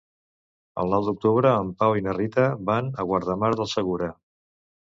El nou d'octubre en Pau i na Rita van a Guardamar del Segura.